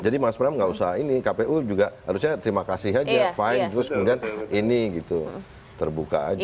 jadi mas pram nggak usah ini kpu juga harusnya terima kasih aja fine terus kemudian ini gitu terbuka aja